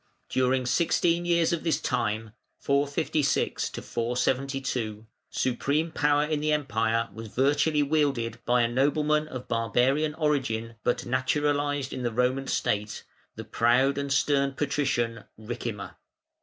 During sixteen years of this time (456 472), supreme power in the Empire was virtually wielded by a nobleman of barbarian origin, but naturalised in the Roman State, the proud and stern "Patrician" Ricimer.